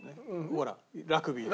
ほらラグビーの。